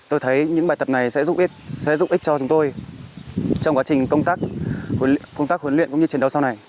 tôi thấy những bài tập này sẽ giúp ích cho chúng tôi trong quá trình công tác huấn luyện cũng như chiến đấu sau này